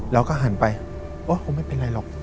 แล้วก็หันไปอ๊ะไม่เป็นไรหรอก